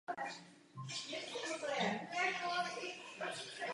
Kaple je jednoduchá kamenná stavba bez omítky.